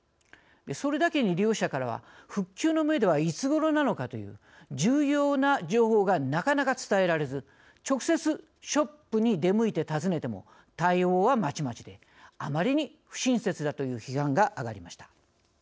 それだけに利用者からは復旧のめどはいつごろなのかという重要な情報がなかなか伝えられず直接、ショップに出向いて尋ねても対応は、まちまちであまりに不親切だという批判が上がりました。